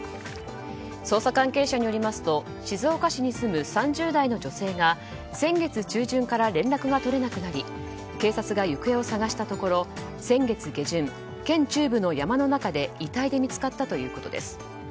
捜査関係者によりますと静岡市に住む３０代の女性が先月中旬から連絡が取れなくなり警察が行方を捜したところ先月下旬、県中部の山の中で遺体で見つかったということです。